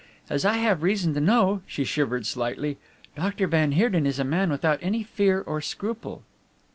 As I have reason to know," she shivered slightly, "Doctor van Heerden is a man without any fear or scruple."